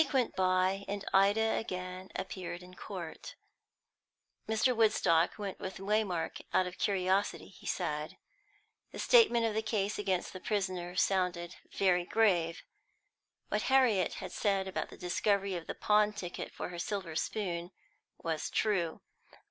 S." The week went by, and Ida again appeared in court. Mr. Woodstock went with Waymark, out of curiosity, he said. The statement of the case against the prisoner sounded very grave. What Harriet had said about the discovery of the pawn ticket for her silver spoon was true.